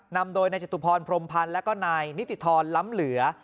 นำโดยนายจตุพรพรมพันธ์แล้วก็นายนิติธรล้ำเหลือ